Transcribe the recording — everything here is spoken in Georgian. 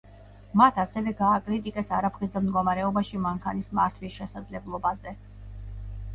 მათ, ასევე გააკრიტიკეს არაფხიზელ მდგომარეობაში მანქანის მართვის შესაძლებლობაზე.